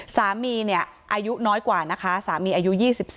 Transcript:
สามีเนี่ยอายุน้อยกว่านะคะสามีอายุ๒๔